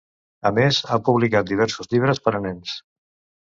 A més, ha publicat diversos llibres per a nens.